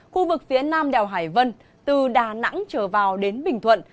khu vực phía nam đèo hải vân từ đà nẵng trở vào đến bình thuận